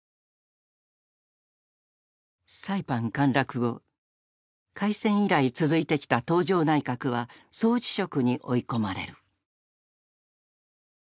サイパン陥落後開戦以来続いてきた東條内閣は総辞職に追い込まれる。